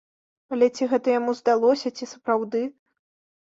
Але ці гэта яму здалося, ці сапраўды?